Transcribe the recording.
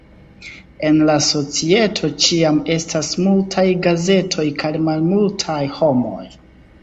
En la societo ĉiam estas multaj gazetoj kaj malmultaj homoj.